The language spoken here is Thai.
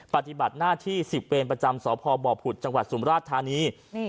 ปฏิบัติหน้าที่๑๐เวรประจำสพบผุดจังหวัดสุมราชธานี